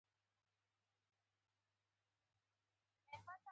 د زاړه ښار په کوڅو کې مې چټک مزل شروع کړ.